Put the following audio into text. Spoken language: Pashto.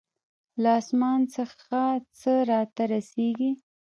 له آسمان څخه څه راته رسېږي.